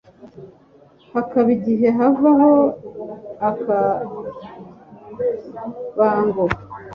hakaba igihe havaho akabango